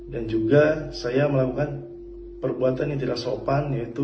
dan juga saya melakukan perbuatan yang tidak sopan yaitu